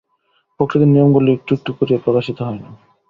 প্রকৃতির নিয়মগুলি একটু একটু করিয়া প্রকাশিত হয় না।